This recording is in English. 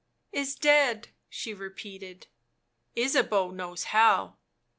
Is dead," she repeated. " Ysabeau knows how."